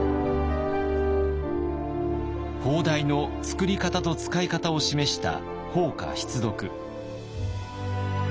砲台の作り方と使い方を示した「砲家必読」。